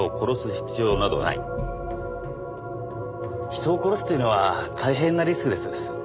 人を殺すというのは大変なリスクです。